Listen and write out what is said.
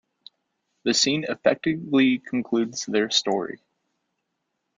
The scene effectively concludes their story.